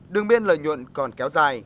đường biên lợi nhuận còn kéo dài